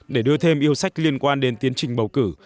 để đưa thêm yêu sách liên quan đến tiến trình bầu cử